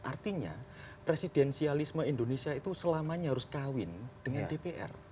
artinya presidensialisme indonesia itu selamanya harus kawin dengan dpr